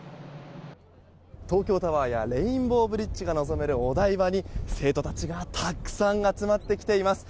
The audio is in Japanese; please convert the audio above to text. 東京タワーやレインボーブリッジが望めるお台場に生徒たちがたくさん集まっています。